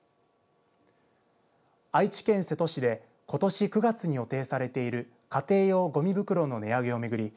愛知県瀬戸市でことし９月に予定されている家庭用ごみ袋の値上げを巡り